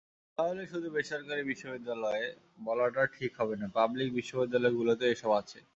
তাহলে শুধু বেসরকারি বিশ্ববিদ্যালয়ে বলাটা ঠিক হবে না, পাবলিক বিশ্ববিদ্যালয়গুলোতেও এসব আছে।